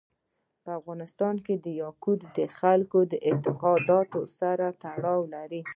په افغانستان کې یاقوت د خلکو د اعتقاداتو سره تړاو لري.